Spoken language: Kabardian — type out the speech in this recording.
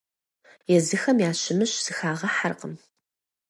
Езыхэм ящымыщ зыхагъэхьэркъым.